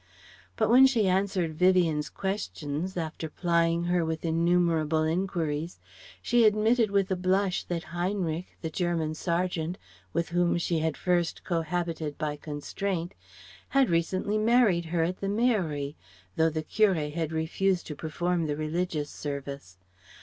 But when she answered Vivien's questions, after plying her with innumerable enquiries, she admitted with a blush that Heinrich, the German sergeant, with whom she had first cohabited by constraint, had recently married her at the Mairie, though the Curé had refused to perform the religious service.